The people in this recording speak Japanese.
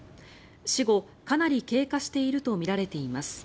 死後かなり経過しているとみられています。